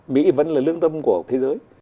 mỹ vẫn là lương tâm của thế giới